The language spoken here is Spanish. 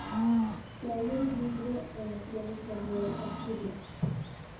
Se halla incluido en la Crónica Real Asiria.